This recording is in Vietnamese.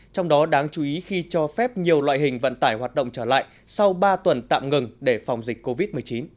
trong đó đáng chú ý khi cho phép nhiều loại hình vận tải hoạt động trở lại sau ba tuần tạm ngừng để phòng dịch covid một mươi chín